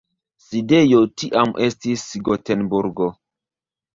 Sidejo tiam estis Gotenburgo.